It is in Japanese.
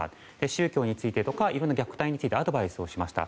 宗教についてとかいろんな虐待についてアドバイスをしました。